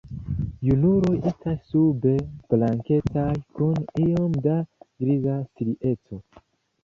Junuloj estas sube blankecaj kun iom da griza strieco.